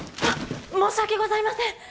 あっ申し訳ございません